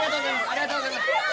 ありがとうございます。